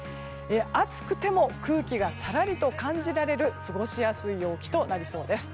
暑くても空気がさらりと感じられる過ごしやすい陽気となりそうです。